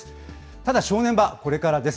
ただ、正念場はこれからです。